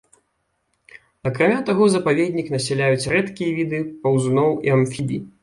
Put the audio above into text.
Акрамя таго запаведнік насяляюць рэдкія віды паўзуноў і амфібій.